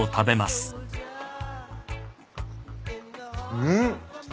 うん。